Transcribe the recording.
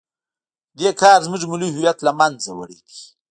دې کار زموږ ملي هویت له منځه وړی دی.